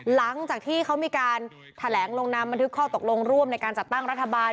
หลังจากที่เขามีการแถลงลงนามบันทึกข้อตกลงร่วมในการจัดตั้งรัฐบาล